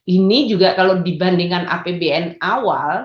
ini juga kalau dibandingkan apbn awal